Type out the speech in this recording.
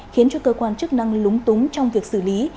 khiến cho cơ quan chức năng lúng túng trong việc xử lý